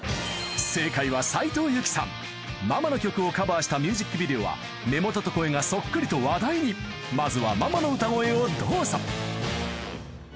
正解は斉藤由貴さんママの曲をカバーしたミュージックビデオは目元と声がそっくりと話題にまずはママの歌声をどうぞ